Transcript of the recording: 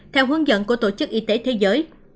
theo hướng dẫn của tổ chức y tế thế giới